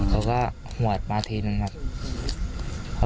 เขาก็หวดมาทีนึงครับ